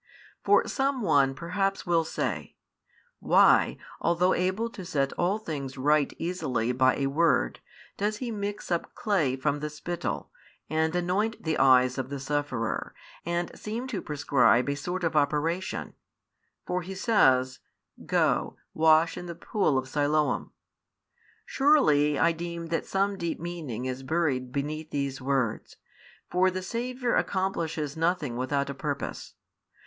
For some one perhaps will say: Why, although able to set all things right easily by a word, does He mix up clay from the spittle, and anoint the eyes of the sufferer, and seem to prescribe a sort of operation; for He says, Go, wash in the pool of Siloam? Surely I deem that some deep meaning is buried beneath these words, for the Saviour accomplishes nothing without a purpose.